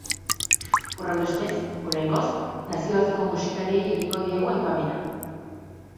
Horrenbestez, oraingoz, nazioarteko musikariei egingo diegu aipamena.